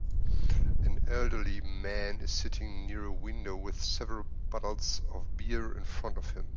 An elderly man is sitting near a window with several bottles of beer in front of him